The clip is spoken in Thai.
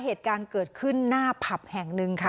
เหตุการณ์เกิดขึ้นหน้าผับแห่งหนึ่งค่ะ